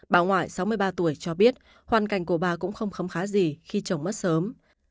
bà ngoại sáu mươi ba tuổi cho biết hoàn cảnh của bà cũng không khấm khá gì khi chồng mất sớm